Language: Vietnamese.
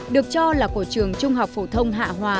được cho là của trường trung học phổ thông hạ hòa